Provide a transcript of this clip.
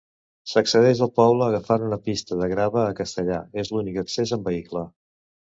S'accedeix al poble agafant una pista de grava a Castellars; és l'únic accés amb vehicle.